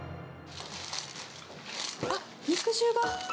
あっ、肉汁が。